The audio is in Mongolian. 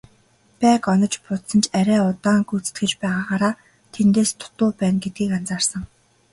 Байг онож буудсан ч арай удаан гүйцэтгэж байгаагаараа тэднээс дутуу байна гэдгийг анзаарсан.